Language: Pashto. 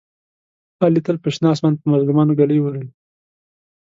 علي تل په شنه اسمان په مظلومانو ږلۍ اوروي.